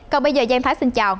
còn bây giờ giang thái xin chào